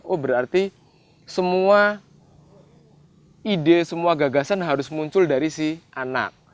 oh berarti semua ide semua gagasan harus muncul dari si anak